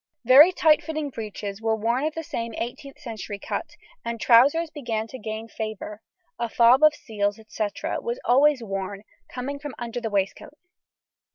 Very tight fitting breeches were worn of the same 18th century cut, and trousers began to gain favour; a fob of seals, &c., was always worn, coming from under the waistcoat.